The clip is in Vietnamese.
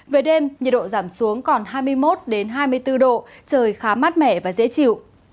về đêm nhiệt độ giảm xuống còn hai mươi một hai mươi bốn độ trời khá mát mẻ và dễ chịu